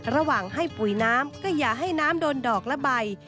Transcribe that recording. ระหว่างให้ปุ๋ยน้ำก็อย่าให้น้ำโดนดอกละใบ